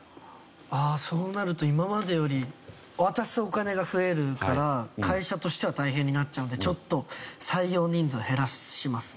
ああそうなると今までより渡すお金が増えるから会社としては大変になっちゃうんでちょっと採用人数を減らしますね。